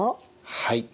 はい。